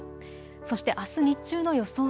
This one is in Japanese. そしてあす日中の予想